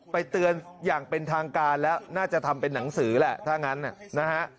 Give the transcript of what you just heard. เตือนอย่างเป็นทางการแล้วน่าจะทำเป็นหนังสือแหละถ้างั้นนะฮะ